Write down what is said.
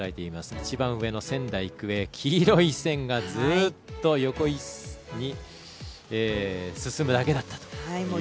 一番上の仙台育英、黄色い線がずっと横に進むだけだったという。